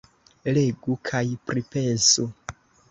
Legu kaj pripensu!